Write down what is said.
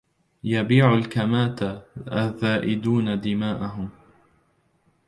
يبيع الكماة الذائدون دماءهم